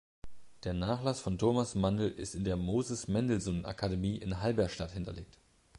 Der Nachlass von Thomas Mandl ist in der "Moses Mendelssohn Akademie" in Halberstadt hinterlegt.